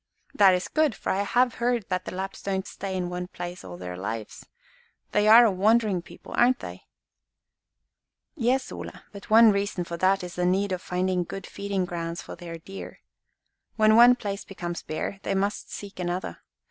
"That is good, for I have heard that the Lapps don't stay in one place all their lives. They are a wandering people, aren't they?" "Yes, Ole, but one reason for that is the need of finding good feeding grounds for their deer. When one place becomes bare, they must seek another.